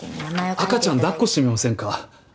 赤ちゃん抱っこしてみませんか？